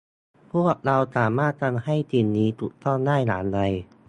พวกเราสามารถทำให้สิ่งนี้ถูกต้องได้อย่างไร